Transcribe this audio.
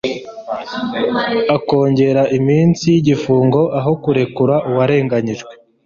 akongera iminsi y'igifungo aho kurekura uwarenganijwe.